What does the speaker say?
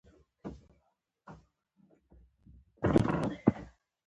خاورې په سر پر داسې سفر، ما ورته وویل: زما هدف هم همدا و.